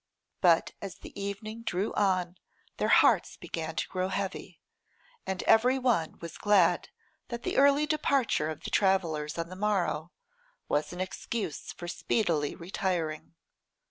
But as the evening drew on their hearts began to grow heavy, and every one was glad that the early departure of the travellers on the morrow was an excuse for speedily retiring.